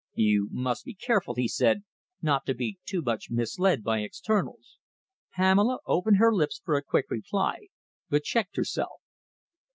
"You must be careful," he said, "not to be too much misled by externals." Pamela opened her lips for a quick reply, but checked herself.